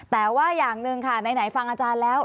แต่ว่าอย่างหนึ่งค่ะไหนฟังอาจารย์แล้ว